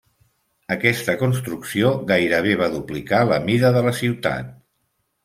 Aquesta construcció gairebé va duplicar la mida de la ciutat.